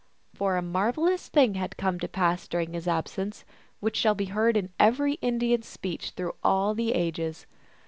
For a marvelous thing had come to pass during his absence, which shall be heard in every Indian s speech through all the ages.